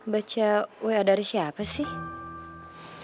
baca wa dari siapa sih